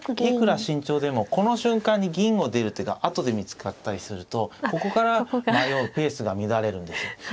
いくら慎重でもこの瞬間に銀を出る手があとで見つかったりするとここから迷うペースが乱れるんですよ。